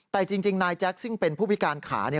แต่จริงนายแจ็คซึ่งเป็นผู้พิการขาเนี่ย